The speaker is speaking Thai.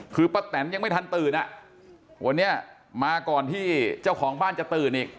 คือป้าแตนยังไม่ทันตื่นอ่ะวันนี้มาก่อนที่เจ้าของบ้านจะตื่นอีก